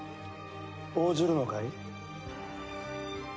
応じるのかい？